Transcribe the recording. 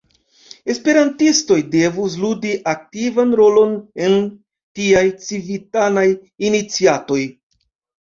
Esperantistoj devus ludi aktivan rolon en tiaj civitanaj iniciatoj.